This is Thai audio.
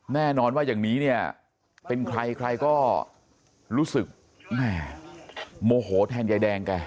แน่นอนว่าอย่างนี้เนี่ยเป็นใครใครก็รู้สึกแม่โมโหแทนยายแดงแก